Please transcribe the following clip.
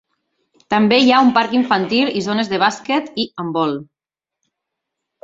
També hi ha un parc infantil, i zones de bàsquet i handbol.